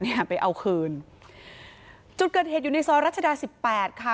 เนี่ยไปเอาคืนจุดเกิดเหตุอยู่ในซอยรัชดาสิบแปดค่ะ